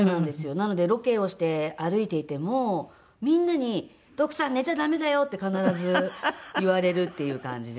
なのでロケをして歩いていてもみんなに「徳さん寝ちゃダメだよ！」って必ず言われるっていう感じで。